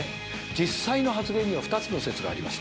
実際の発言には２つの説がありまして。